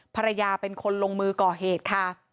ภรรยาเป็นคนลงมือก่อเหตุค่ะ